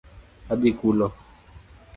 Adhi kulo